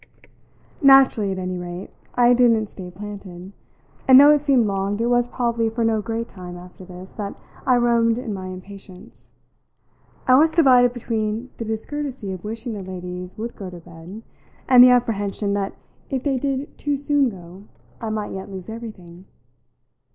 Naturally, at any rate, I didn't stay planted; and though it seemed long it was probably for no great time after this that I roamed in my impatience. I was divided between the discourtesy of wishing the ladies would go to bed and the apprehension that if they did too soon go I might yet lose everything.